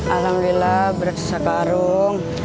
alhamdulillah berat susah karung